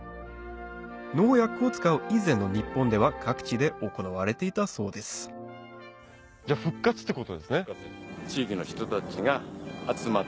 農薬を使う以前の日本では各地で行われていたそうです復活です。